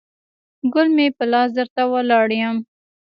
ګل مې په لاس درته ولاړ یم